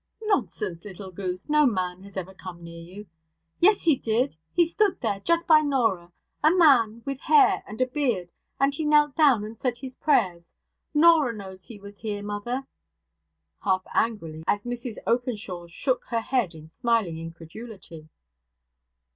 'Nonsense, little goose. No man has ever come near you!' 'Yes, he did. He stood there. Just by Norah. A man with hair and a beard. And he knelt down and said his prayers. Norah knows he was here, mother' (half angrily, as Mrs Openshaw shook her head in smiling incredulity).